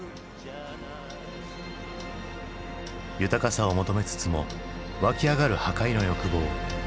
豊かさを求めつつも湧き上がる破壊の欲望。